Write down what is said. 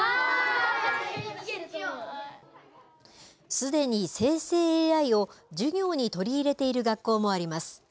すでに生成ＡＩを授業に取り入れている学校もあります。